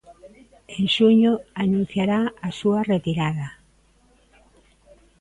En xuño anunciará a súa retirada.